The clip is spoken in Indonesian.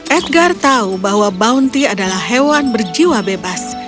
edgar tahu bahwa bounty adalah hewan berjiwa bebas